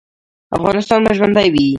افغانستان به ژوندی وي